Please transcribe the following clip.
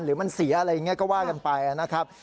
หรือมันเสียอะไรอย่างนี้ก็ว่ากันไปนะครับ